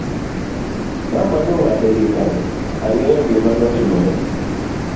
mama nong'ade gi kanyo, ang'eyo gima notimore